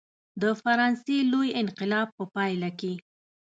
د فرانسې لوی انقلاب په پایله کې.